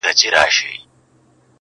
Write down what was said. دعا لکه چي نه مني یزدان څه به کوو؟!.